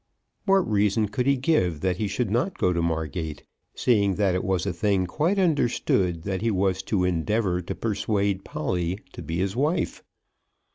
What reason could he give that he should not go to Margate, seeing that it was a thing quite understood that he was to endeavour to persuade Polly to be his wife.